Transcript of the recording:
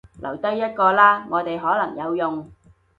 留低一個啦，我哋可能有用